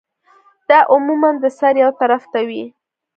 دا عموماً د سر يو طرف ته وی